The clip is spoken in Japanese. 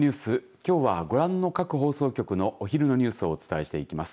きょうはご覧の各放送局のお昼のニュースをお伝えしていきます。